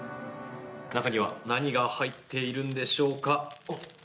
中には何が入っているんでしょうか。